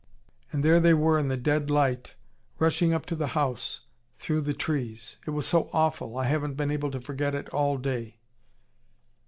And there they were, in the dead light, rushing up to the house, through the trees. It was so awful, I haven't been able to forget it all day."